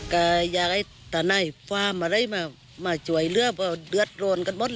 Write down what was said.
ความค่ลอยละจากเคย